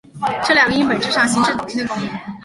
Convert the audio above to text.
这两个音本质上行使导音的功能。